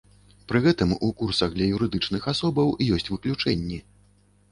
Пры гэтым у курсах для юрыдычных асобаў ёсць выключэнні.